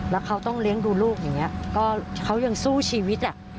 แล้วเขาต้องเลี้ยงดูลูกอย่างนี้ก็เขายังสู้ชีวิตอ่ะ